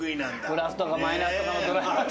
プラスとかマイナスとかのドライバー。